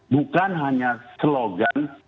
bukan hanya slogan